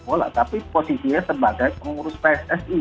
tidak lah tapi posisinya sebagai pengurus pssi